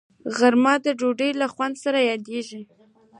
غرمه د ډوډۍ له خوند سره یادیږي